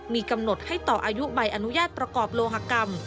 มีกำหนดให้ต่ออายุใบอนุญาตประกอบโลหกรรม